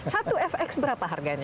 satu fx berapa harganya